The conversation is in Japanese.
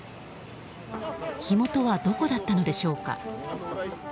火元はどこだったのでしょうか。